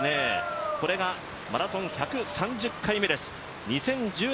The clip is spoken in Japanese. これがマラソン１３０回目です